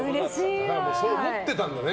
そう思ってたんだね。